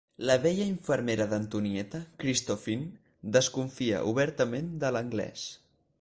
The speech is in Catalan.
La vella infermera d'Antonieta, Christophine, desconfia obertament de l'anglès.